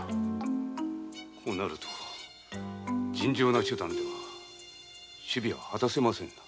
こうなると尋常な手段では首尾は果たせません。